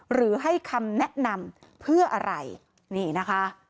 หรือให้คำแนะนำเพื่ออะไรนี่นะคะ